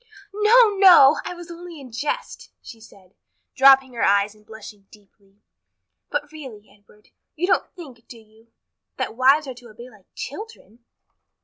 "No, no! I was only in jest," she said, dropping her eyes and blushing deeply. "But really, Edward, you don't think, do you, that wives are to obey like children?"